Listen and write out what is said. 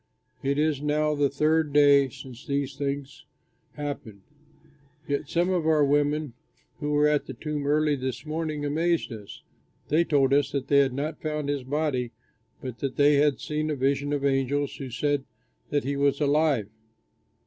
It is now the third day since these things happened. Yet some of our women who were at the tomb early this morning, amazed us. They told us that they had not found his body but that they had seen a vision of angels who said that he was alive.